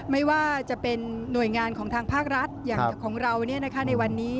ไม่ว่าจะเป็นหน่วยงานของทางภาครัฐอย่างของเราในวันนี้